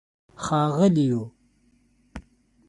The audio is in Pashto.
ښاغلیو